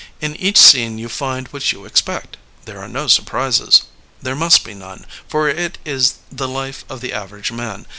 In each scene you find what you expect. There are no surprises. There must be none, for it is the life of the average man.